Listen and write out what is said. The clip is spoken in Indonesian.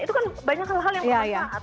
itu kan banyak hal hal yang bermanfaat